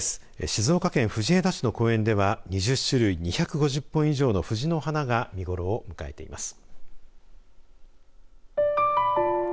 静岡県藤枝市の公園では２０種類、２５０本以上の藤の花が見頃を迎えています。